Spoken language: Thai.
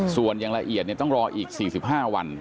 ส่วนอย่างละเอียดต้องรออีก๔๕วัน